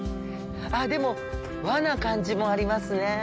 でも「和」な感じもありますね。